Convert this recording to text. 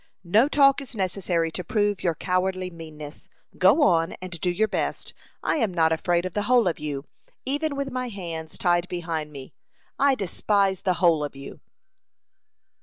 "No talk is necessary to prove your cowardly meanness. Go on, and do your best. I am not afraid of the whole of you, even with my hands tied behind me. I despise the whole of you."